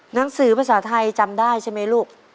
หนังสือภาษาไทยจำได้ใช่ไหมลูก